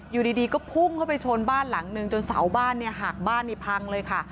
อยู่ดีก็พุ่งเข้าไปชนบ้านหลังนึงจนเสาบ้านเนี่ยหักบ้านนี่พังเลยค่ะ